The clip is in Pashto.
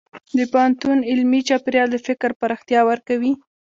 د پوهنتون علمي چاپېریال د فکر پراختیا ورکوي.